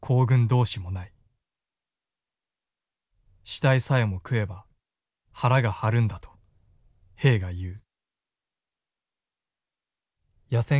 死体さえも食えば腹がはるんだと兵が言う」。